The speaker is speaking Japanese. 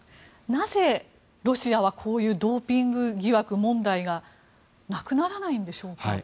なぜ、ロシアはこういうドーピング疑惑問題がなくならないんでしょうか。